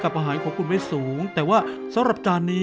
ปลาล่ะ